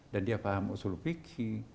dan dia paham usul fikih